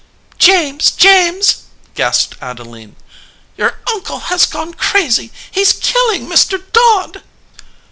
"James ! James !" gasped Adeline. "Your uncle has gone crazy! He s killing Mr. Dodd!"